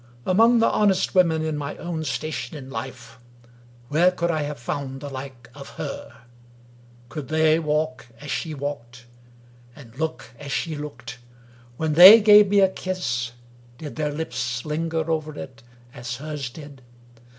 Among the honest women in my own station in life, where could I have found the like of herf Could they walk as she walked? and look as she looked? When they gave me a kiss, did their lips linger over it as hers did?